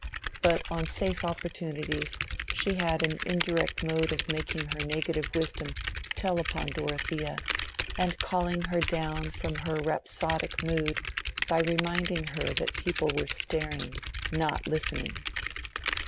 But on safe opportunities, she had an indirect mode of making her negative wisdom tell upon Dorothea, and calling her down from her rhapsodic mood by reminding her that people were staring, not listening.